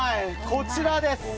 こちらです。